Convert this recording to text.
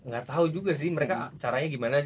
gak tau juga sih mereka caranya gimana